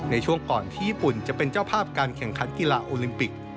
ในช่วงก่อนที่ญี่ปุ่นจะเป็นเจ้าภาพการแข่งขันกีฬาโอลิมปิก